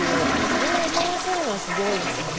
そう思わせるのすごいですよね。